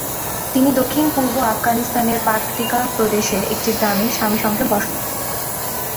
তিনি দক্ষিণ-পূর্ব আফগানিস্তানের পাকতিকা প্রদেশের একটি গ্রামে স্বামীর সঙ্গে বাস করতেন।